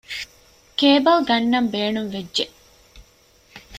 ކޭބަލް ގަންނަން ބޭނުންވެއްޖެ